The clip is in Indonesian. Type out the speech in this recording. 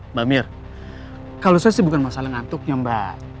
mbak mir kalau saya sih bukan masalah ngantuknya mbak